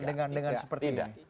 tidak ada manfaat bagi publik